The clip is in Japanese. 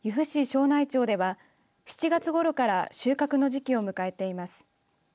庄内町では７月ごろから収穫の時期を迎えています。